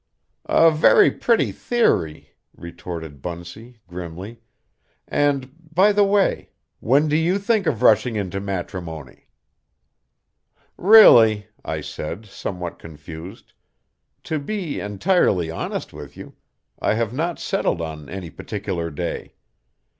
"A very pretty theory," retorted Bunsey, grimly; "and, by the way, when do you think of rushing into matrimony?" "Really," I said, somewhat confused, "to be entirely honest with you, I have not settled on any particular day.